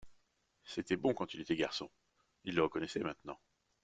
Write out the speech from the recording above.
C'était bon quand il était garçon ! Il le reconnaissait maintenant.